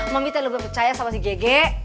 mami tak lupa percaya sama si gg